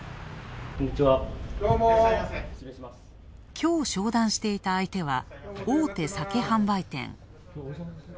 きょう商談していた相手は、大手酒販売店。